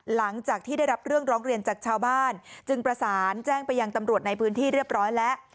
หลังจากที่ได้รับเรื่องร้องเรียนจากชาวบ้านจึงประสานแจ้งไปยังตำรวจในพื้นที่เรียบร้อยแล้ว